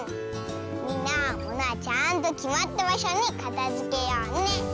みんなものはちゃんときまったばしょにかたづけようね！